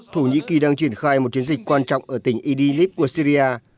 thổ nhĩ kỳ đang triển khai một chiến dịch quan trọng ở tỉnh idilip của syria